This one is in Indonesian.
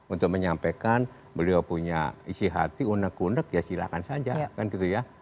untuk menyampaikan beliau punya isi hati unek unek ya silahkan saja kan gitu ya